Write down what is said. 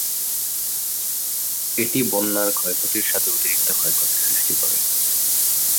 এটি, বন্যার ক্ষয়ক্ষতির সাথে অতিরিক্ত ক্ষয়ক্ষতি সৃষ্টি করে।